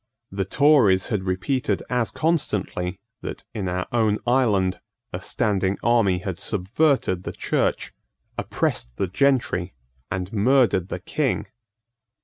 The Tories had repeated as constantly that, in our own island, a standing army had subverted the Church, oppressed the gentry, and murdered the King.